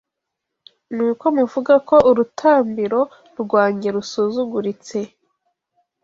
Ni uko muvuga ko urutambiro rwanjye rusuzuguritse!